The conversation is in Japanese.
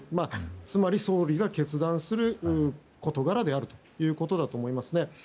つまり、総理が決断する事柄であるということだと思います。